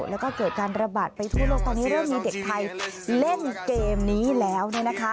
แล้วก็เกิดการระบาดไปทั่วโลกตอนนี้เริ่มมีเด็กไทยเล่นเกมนี้แล้ว